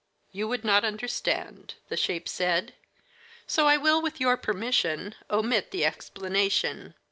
"You would not understand," the shape said, "so I will, with your permission, omit the explanation.